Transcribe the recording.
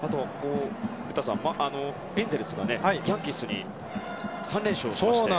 古田さん、エンゼルスがヤンキースに３連勝して。